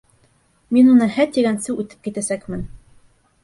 Мин уны «һә» тигәнсе үтеп китәсәкмен.